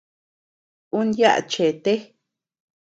Un yaʼa cheete.